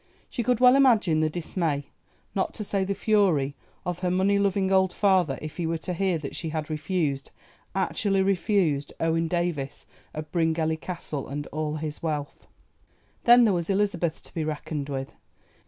She could well imagine the dismay, not to say the fury, of her money loving old father if he were to hear that she had refused—actually refused—Owen Davies of Bryngelly Castle, and all his wealth. Then there was Elizabeth to be reckoned with.